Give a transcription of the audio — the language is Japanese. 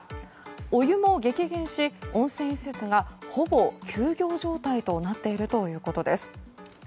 お湯も激減し、温泉施設がほぼ休業状態となっているということです。